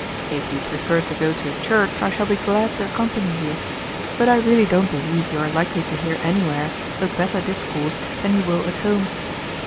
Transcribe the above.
If you prefer to go to a church I shall be glad to accompany you, but I really don't believe you are likely to hear anywhere a better discourse than you will at home.